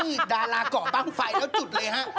ให้ดาราเกาะบ้างไฟแล้วจุดเลย